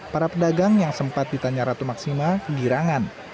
para pedagang yang sempat ditanya ratu maksima kegirangan